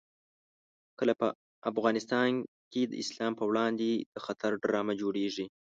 کله په افغانستان کې د اسلام په وړاندې د خطر ډرامه جوړېږي.